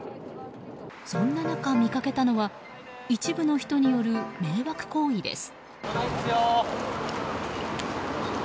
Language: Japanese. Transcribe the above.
そんな中、見かけたのは一部の人による迷惑行為です。